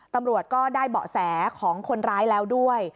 ตำรวจก็ได้เบาะแสของคนร้ายแล้วด้วย